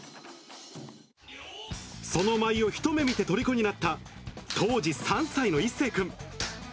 その舞を一目見てとりこになった、当時３歳のいっせい君。